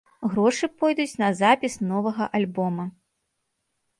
Грошы пойдуць на запіс новага альбома.